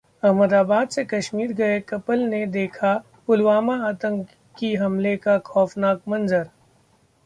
अहमदाबाद से कश्मीर गए कपल ने देखा पुलवामा आतंकी हमले का खौफनाक मंजर